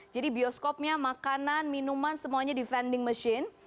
jadi bioskopnya makanan minuman semuanya di vending machine